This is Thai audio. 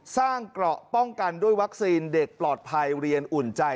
เกราะป้องกันด้วยวัคซีนเด็กปลอดภัยเรียนอุ่นใจ